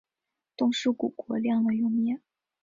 冻尸骨国亮了又灭。